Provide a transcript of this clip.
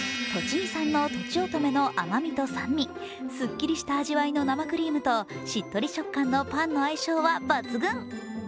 栃木産のとちおとめのすっきりした味わいの生クリームとしっとり食感のパンの相性は抜群。